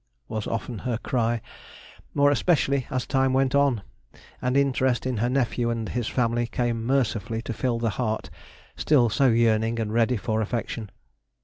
was often her cry, more especially as time went on, and interest in her nephew and his family came mercifully to fill the heart still so yearning and ready for affection.